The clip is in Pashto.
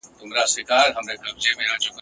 چي نه می نه میخانه وي نه ساقي نه پیمانه وي!.